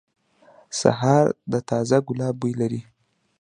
سهار د تازه ګلاب بوی لري.